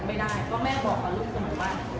เพราะแม่บอกกับลูกเสมอว่า